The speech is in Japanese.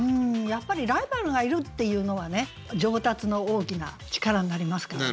やっぱりライバルがいるっていうのはね上達の大きな力になりますからね。